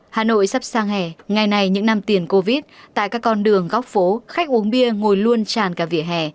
hà nội sắp sang hè ngày này những năm tiền covid tại các con đường góc phố khách uống bia ngồi luôn tràn cả vỉa hè